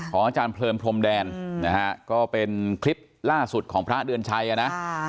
อาจารย์เพลินพรมแดนนะฮะก็เป็นคลิปล่าสุดของพระเดือนชัยนะ